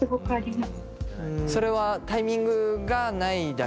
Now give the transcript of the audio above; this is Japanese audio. それはタイミングがないだけ？